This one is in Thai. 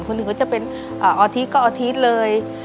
คนอื่นก็จะเป็นอาทิตย์ก็ออทิตเลย